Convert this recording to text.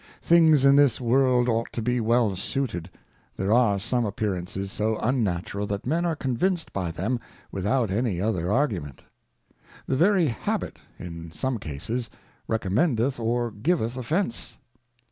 Things in this World ought to be well suited. There are some Appearances so unnatural, that men are convinc'd by them without any other Argument. The very Habit in some Cases, recommendeth or giveth Offence.